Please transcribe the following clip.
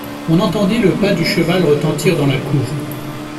On entendit le pas du cheval retentir dans la cour.